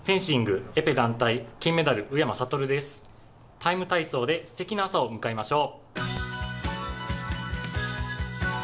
「ＴＩＭＥ，体操」ですてきな朝を迎えましょう。